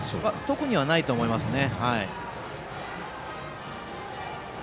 特にはないと思いますね。